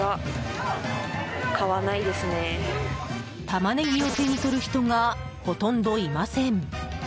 タマネギを手に取る人がほとんどいません。